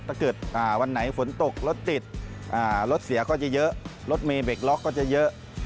ถ้าเกิดวันไหนฝนตกรถติดรถเสียก็จะเยอะรถเมย์เบรกล็อกก็จะเยอะ